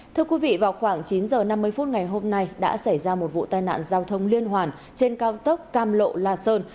thưa quý vị vào khoảng chín h năm mươi phút ngày hôm nay đã xảy ra một vụ tai nạn giao thông liên hoàn trên cao tốc cam lộ la sơn